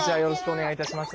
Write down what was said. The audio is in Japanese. お願いいたします。